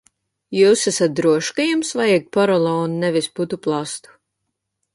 Jūs esat drošs, ka jums vajag porolonu, nevis putuplastu?